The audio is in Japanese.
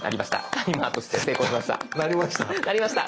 タイマーとして成功しました。